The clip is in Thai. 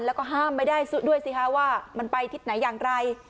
แล้วก็ห้ามไม่ได้ด้วยสิคะว่ามันไปทิศไหนอย่างไร